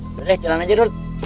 udah deh jalan aja dulu